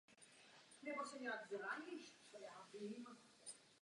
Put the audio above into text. Součástí je také mezinárodní soutěž o nejlepší studentský film s názvem "Zlínský pes".